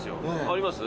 あります？